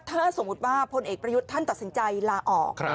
ถ้าสมมุติว่าพลเอกประยุทธ์ท่านตัดสินใจลาออก